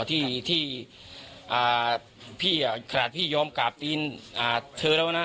ตอนสิ่งที่ขาดพี่ยอมกาบตีนเธอแล้วนะ